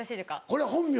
これ本名？